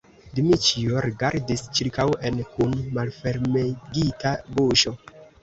Dmiĉjo rigardis ĉirkaŭen kun malfermegita buŝo.